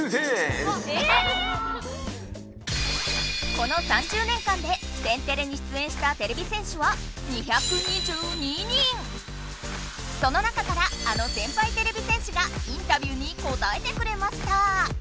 この３０年間で「天てれ」に出演したてれび戦士はその中からあの先輩てれび戦士がインタビューにこたえてくれました。